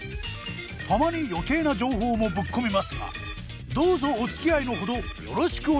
たまに余計な情報もぶっ込みますがどうぞおつきあいのほどよろしくお願いいたします。